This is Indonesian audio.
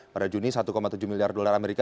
pada juni satu tujuh miliar dolar amerika